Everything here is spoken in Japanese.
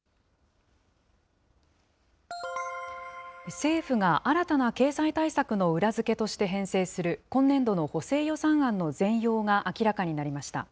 政府が新たな経済対策の裏付けとして編成する、今年度の補正予算案の全容が明らかになりました。